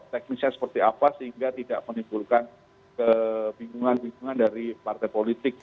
teknisnya seperti apa sehingga tidak menimbulkan kebingungan bingungan dari partai politik